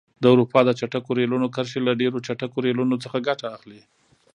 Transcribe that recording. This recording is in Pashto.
د اروپا د چټکو ریلونو کرښې له ډېرو چټکو ریلونو څخه ګټه اخلي.